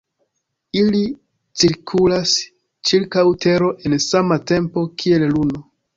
Ili cirkulas ĉirkaŭ Tero en sama tempo kiel Luno.